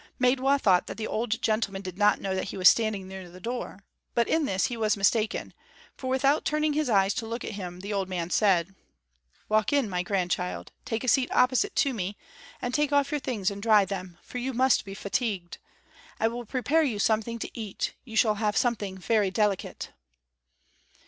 Maidwa thought that the old man did not know that he was standing near the door; but in this he was mistaken, for, without turning his eyes to look at him, the old man said: "Walk in, my grandchild; take a seat opposite to me, and take off your things and dry them, for you must be fatigued. I will prepare you something to eat; you shall have something very delicate."